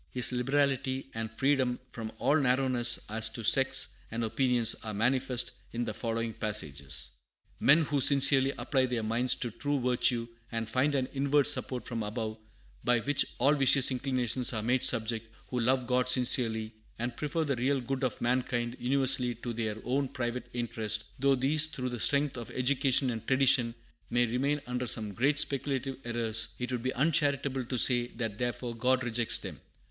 His liberality and freedom from "all narrowness as to sects and opinions" are manifest in the following passages: "Men who sincerely apply their minds to true virtue, and find an inward support from above, by which all vicious inclinations are made subject; who love God sincerely, and prefer the real good of mankind universally to their own private interest, though these, through the strength of education and tradition, may remain under some great speculative errors, it would be uncharitable to say that therefore God rejects them.